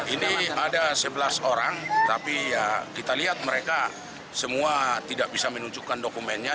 ini ada sebelas orang tapi ya kita lihat mereka semua tidak bisa menunjukkan dokumennya